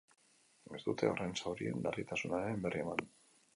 Ez dute horren zaurien larritasunaren berri eman.